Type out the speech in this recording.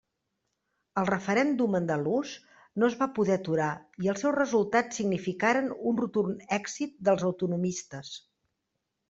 El referèndum andalús no es va poder aturar i els seus resultats significaren un rotund èxit dels autonomistes.